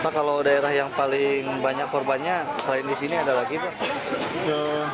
pak kalau daerah yang paling banyak korbannya selain di sini ada lagi pak